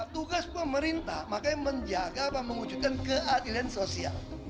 tugas pemerintah makanya menjaga dan mengujudkan keadilan sosial